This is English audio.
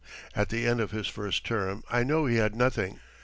At the end of his first term I know he had nothing.